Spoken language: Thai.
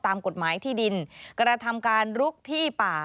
ตามกฎหมายที่ดินกระทำการลุกที่ป่า